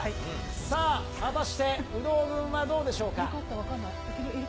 さあ果たして、有働軍はどうでしょうか。